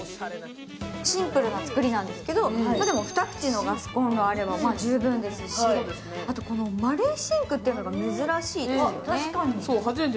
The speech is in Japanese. シンプルなつくりなんですけどでも２口のガスコロンがあれば十分ですし、あと、丸いシンクっていうのが珍しいですよね。